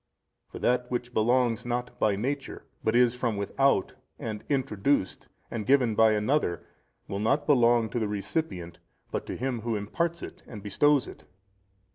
For that which belongs not by nature but is from without and introduced and given by another, will not belong to the recipient but to Him who imparts it and bestows it.